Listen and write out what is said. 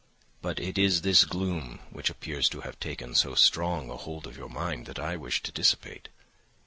But it is this gloom which appears to have taken so strong a hold of your mind that I wish to dissipate.